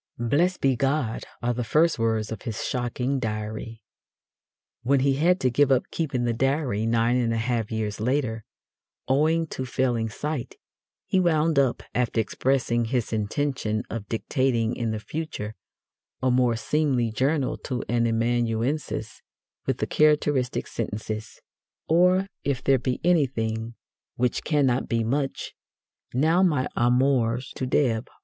"Blessed be God" are the first words of his shocking Diary. When he had to give up keeping the Diary nine and a half years later, owing to failing sight, he wound up, after expressing his intention of dictating in the future a more seemly journal to an amanuensis, with the characteristic sentences: Or, if there be anything, which cannot be much, now my amours to Deb.